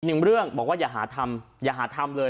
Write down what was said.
หนึ่งเรื่องบอกว่าอย่าหาทำอย่าหาทำเลย